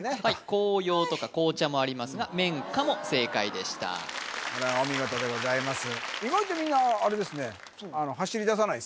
紅葉とか紅茶もありますが綿花も正解でしたお見事でございます